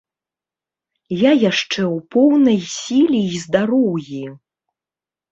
Я яшчэ ў поўнай сіле і здароўі.